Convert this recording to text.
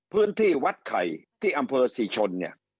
พื้นที่วัดไข่ที่อำเภอสิชน